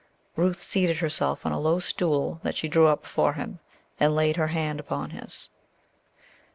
Ruth seated herself on a low stool that she drew up before him, and laid her hand upon his.